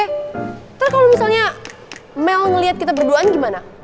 ntar kalo misalnya mel ngeliat kita berduaan gimana